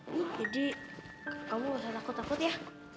jadi kamu gak usah takut takut ya